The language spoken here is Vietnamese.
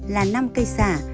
là năm cây xả